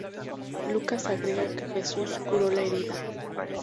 Lucas agrega que Jesús curó la herida.